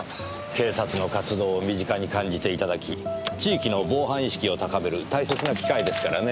警察の活動を身近に感じていただき地域の防犯意識を高める大切な機会ですからねぇ。